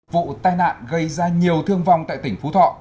vụ tai nạn gây ra nhiều thương vong tại tỉnh phú thọ